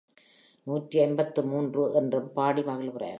நூற்றி ஐம்பத்து மூன்று என்றும் பாடி மகிழ்கிறார்.